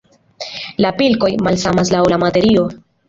La pilkoj malsamas laŭ la materio.